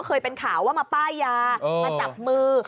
เคยเป็นข่าวว่ามาป้ายยามาจับมือ